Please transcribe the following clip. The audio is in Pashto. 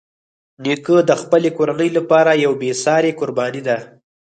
نیکه د خپلې کورنۍ لپاره یوه بېساري قرباني ده.